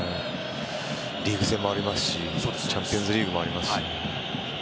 リーグ戦もありますしチャンピオンズリーグもあります。